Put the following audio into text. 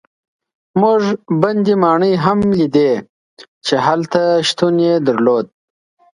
موږ بندي ماڼۍ هم لیدې چې هلته شتون یې درلود.